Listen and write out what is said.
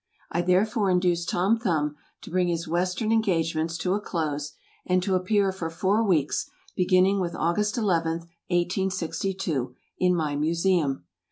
I therefore induced Tom Thumb to bring his Western engagements to a close, and to appear for four weeks, beginning with August 11, 1862, in my Museum.